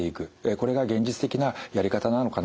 これが現実的なやり方なのかな